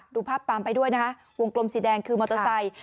ดูภาพตามไปด้วยนะคะวงกลมสีแดงคือมอเตอร์ไซค์